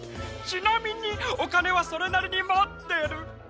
ちなみにおかねはそれなりにもってる！